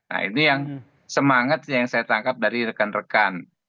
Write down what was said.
nah ini yang semangat yang saya tangkap dari rekan rekan